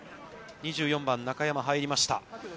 ２４番中山入りました。